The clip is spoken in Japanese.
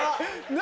何？